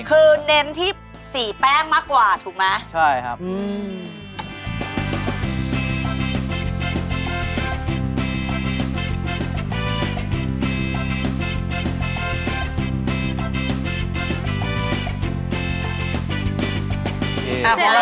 อ๋อคือเน้นที่สีแป้งมากกว่าถูกไหมครับอืมทำให้ละลายไปเอง